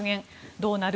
どうなる？